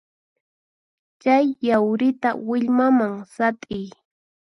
Chay yawrita willmaman sat'iy.